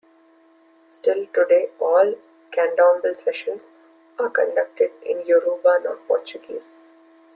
Still today all Candomble sessions are conducted in Yoruba, not Portuguese.